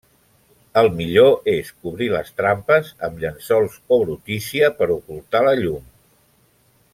El millor és cobrir les trampes amb llençols o brutícia per ocultar la llum.